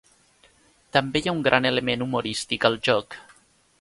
També hi ha un gran element humorístic al joc.